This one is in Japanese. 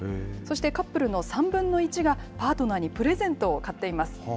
そしてカップルの３分の１が、パートナーにプレゼントを買っています。